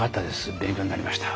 勉強になりました。